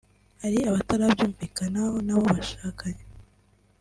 Hari abatarabyumvikanaho n’abo bashakanye